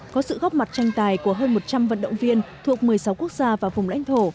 có sự góp mặt tranh tài của hơn một trăm linh vận động viên thuộc một mươi sáu quốc gia và vùng lãnh thổ